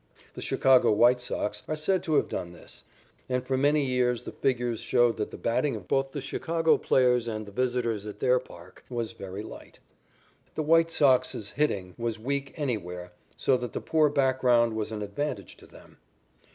The Chicago White Sox are said to have done this, and for many years the figures showed that the batting of both the Chicago players and the visitors at their park was very light. The White Sox's hitting was weak anywhere, so that the poor background was an advantage to them.